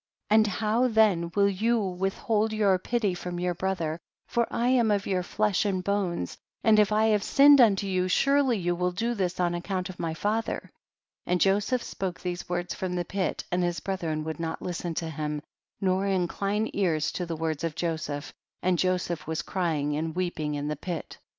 And how then will you with hold your pity from your brother, for I am of your flesh and bones, and if I have sinned unto you, surely you will do this on account of my father! 32. And Joseph spoke these words from the pit, and his brethren would not listen to him, nor incline ears to the words of Joseph, and Joseph was crying and weeping in the pit.